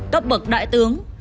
cấp bậc đại tướng